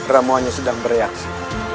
ramon sedang bereaksi